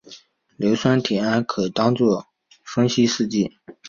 硫酸铁铵可当作分析试剂。